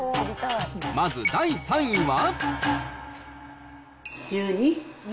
まず第３位は。